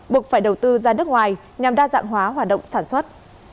buộc phải đầu tư ra nước ngoài nhằm đa dạng hóa hoạt động sản xuất